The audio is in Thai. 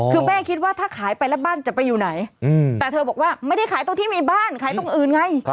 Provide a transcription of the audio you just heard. คือแม่คิดว่าถ้าขายไปแล้วบ้านจะไปอยู่ไหนแต่เธอบอกว่าไม่ได้ขายตรงที่มีบ้านขายตรงอื่นไง